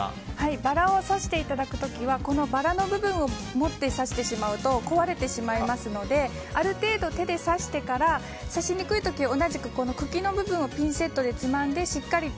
バラを挿していただく時はバラの部分を持って挿してしまうと壊れてしまいますのである程度、手で挿してから挿しにくい時は同じく茎の部分をピンセットでつまんでしっかりと。